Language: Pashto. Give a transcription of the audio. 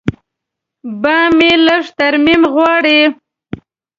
بام مې لږ ترمیم غواړي.